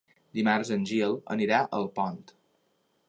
Dimarts en Gil anirà a Alpont.